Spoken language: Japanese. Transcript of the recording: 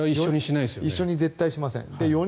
一緒にしません。